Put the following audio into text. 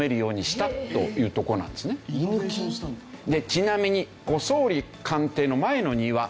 ちなみに総理官邸の前の庭。